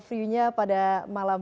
view nya pada malam